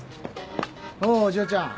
おう嬢ちゃん。